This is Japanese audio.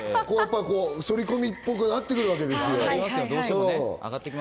剃り込みっぽくなってくるわけですよ。